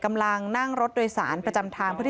กำลังนั่งรถโดยสารประจำทาง